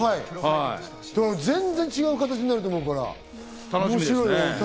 全然違う形になると思うから楽しみ。